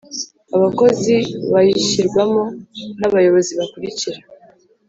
abakozi ba yishyirwamo n’abayobozi bakurikira :